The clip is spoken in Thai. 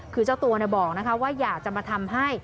คือเจ้าตัวบอกว่าอยากจะมาทำให้